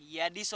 ya di sosok